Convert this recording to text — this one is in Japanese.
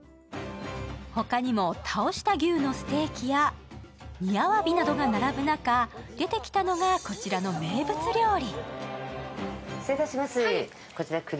他にも峠下のステーキや煮あわびなどが並ぶ中、出てきたのがこちらの名物料理。